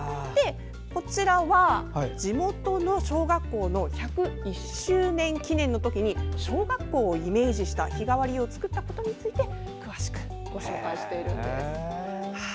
こちらは、地元の小学校の１０１周年記念のときに小学校をイメージした日替わり湯を作ったことについて詳しくご紹介しているんです。